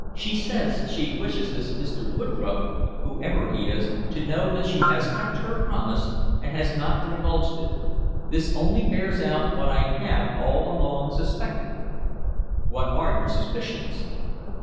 "She says she wishes this Mr. Woodroffe, whoever he is, to know that she has kept her promise and has not divulged it. This only bears out what I have all along suspected." "What are your suspicions?"